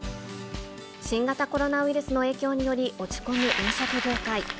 新型コロナウイルスの影響により、落ち込む飲食業界。